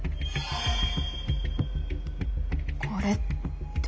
これって。